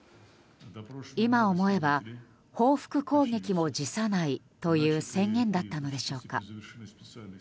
今思えば報復攻撃も辞さないという宣言だったのでしょうか。